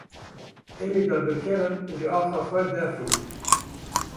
Em ê dagirkeran ji axa xwe derxînin.